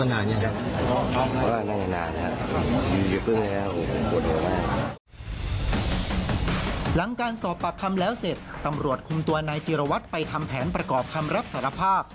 หลังการสอบปากคำแล้วเสร็จตำรวจคุมตัวนายจิรวัตรไปทำแผนประกอบคำรับสารภาพ